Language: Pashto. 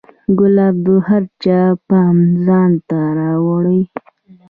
ګلاب د هر چا پام ځان ته را اړوي.